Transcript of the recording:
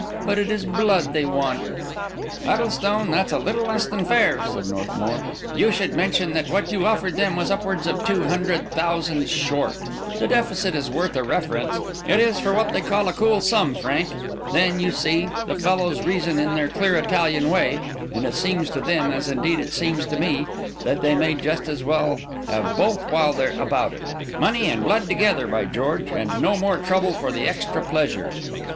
but it is blood they want." "Huddlestone, that's a little less than fair," said Northmour. "You should mention that what you offered them was upwards of two hundred thousand short. The deficit is worth a reference; it is for what they call a cool sum, Frank. Then, you see, the fellows reason in their clear Italian way; and it seems to them, as indeed it seems to me, that they may just as well have both while they're about it—money and blood together, by George, and no more trouble for the extra pleasure."